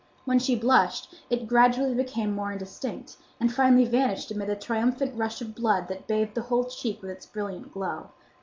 When she blushed it gradually became more indistinct, and finally vanished amid the triumphant rush of blood that bathed the whole cheek with its brilliant glow.